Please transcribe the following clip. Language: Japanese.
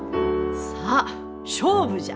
さあ勝負じゃ！